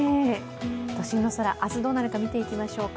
都心の空、明日どうなるか見ていきましょうか。